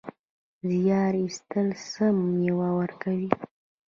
زیار ایستل څه مېوه ورکوي؟